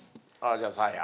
じゃあサーヤ。